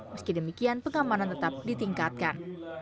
meski demikian pengamanan tetap ditingkatkan